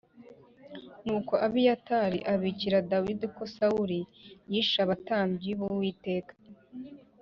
Nuko Abiyatari abikira Dawidi ko Sawuli yishe abatambyi b’Uwiteka